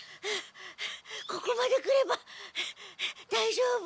ここまで来ればだいじょうぶ。